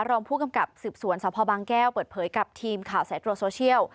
รองผู้กำกับสืบสวนสพบางแก้วเปิดเผยกับทีมข่าวสายตรวจโซเชียล